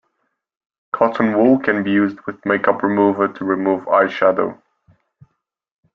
Cotton wool can be used with make-up remover to remove eyeshadow